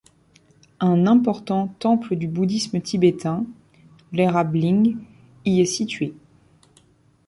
Un important temple du bouddhisme tibétain, Lerab Ling, y est situé.